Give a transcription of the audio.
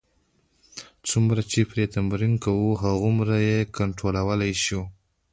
څومره چې پرې تمرین کوو، هغومره یې کنټرولولای شو.